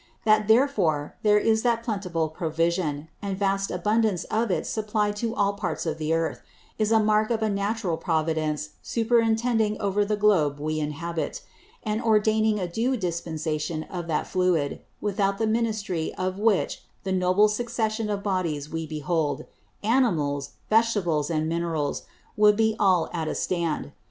That therefore there is that plentiful Provision, and vast Abundance of it supplied to all Parts of the Earth, is a mark of a natural Providence superintending over the Globe we inhabit; and ordaining a due Dispensation of that Fluid, without the Ministry of which the Noble Succession of Bodies we behold, Animals, Vegetables, and Minerals, would be all at a stand.